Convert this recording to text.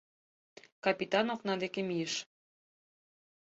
Капитан окна деке мийыш.